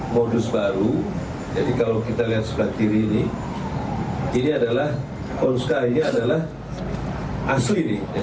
modus baru jadi kalau kita lihat sepaktir ini ini adalah ponska ini adalah asli ini